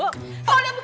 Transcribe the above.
oh iya buka kameranya yuk